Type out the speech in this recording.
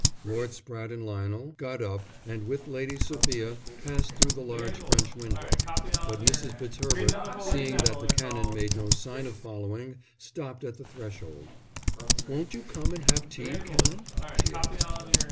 Lord Spratte and Lionel got up and with Lady Sophia passed through the large French window; but Mrs, Fitzherbert, seeing that the Canon made no sign of following, stopped at the threshold. "Won't you come and have tea, Canon?" she asked.